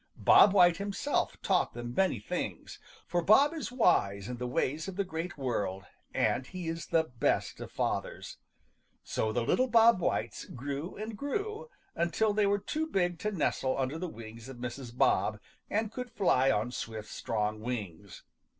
Bob White himself taught them many things, for Bob is wise in the ways of the Great World, and he is the best of fathers. So the little Bob Whites grew and grew until they were too big to nestle under the wings of Mrs. Bob and could fly on swift strong wings.